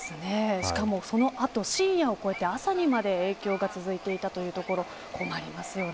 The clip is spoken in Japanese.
しかもその後、深夜を超えて朝にまで影響が続いていたというところ困りますよね。